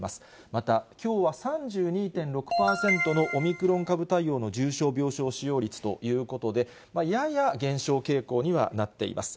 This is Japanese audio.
またきょうは３２．６％のオミクロン株対応の重症病床使用率ということで、やや減少傾向にはなっています。